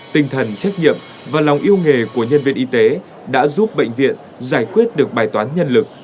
tinh thần trách nhiệm và lòng yêu nghề của nhân viên y tế đã giúp bệnh viện giải quyết được bài toán nhân lực